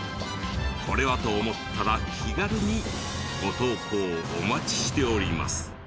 これはと思ったら気軽にご投稿をお待ちしております。